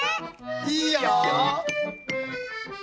いいよ。